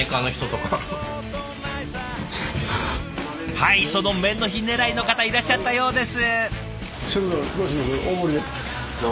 はいその麺の日狙いの方いらっしゃったようです。